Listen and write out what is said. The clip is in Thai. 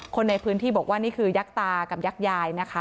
คนในพื้นที่บอกว่านี่คือยักษ์ตากับยักษ์ยายนะคะ